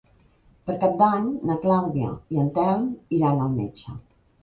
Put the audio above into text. Per Cap d'Any na Clàudia i en Telm iran al metge.